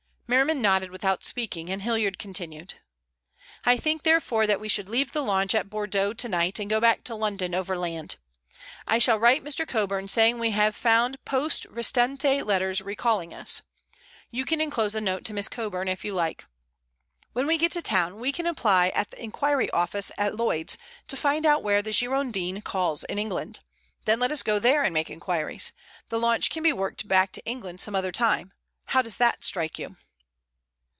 Merriman nodded without speaking and Hilliard continued: "I think, therefore, that we should leave the launch at Bordeaux tonight and go back to London overland. I shall write Mr. Coburn saying we have found Poste Restante letters recalling us. You can enclose a note to Miss Coburn if you like. When we get to town we can apply at the Inquiry Office at Lloyd's to find out where the Girondin calls in England. Then let us go there and make inquiries. The launch can be worked back to England some other time. How does that strike you?"